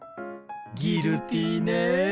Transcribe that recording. ギルティーねえ。